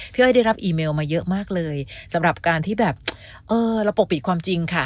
อ้อยได้รับอีเมลมาเยอะมากเลยสำหรับการที่แบบเออเราปกปิดความจริงค่ะ